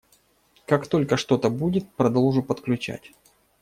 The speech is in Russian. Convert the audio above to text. Как только что-то будет - продолжу подключать.